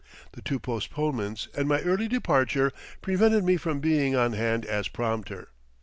The two postponements and my early departure prevented me from being on hand as prompter.